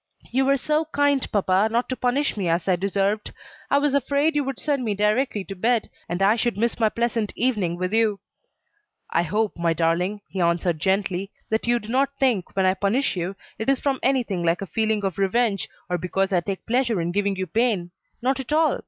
"You were so kind, papa, not to punish me as I deserved. I was afraid you would send me directly to bed, and I should miss my pleasant evening with you." "I hope, my darling," he answered gently, "that you do not think, when I punish you, it is from anything like a feeling of revenge, or because I take pleasure in giving you pain? Not at all.